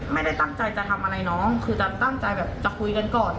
ไม่ได้ตั้งใจจะทำอะไรน้องคือจะตั้งใจแบบจะคุยกันก่อน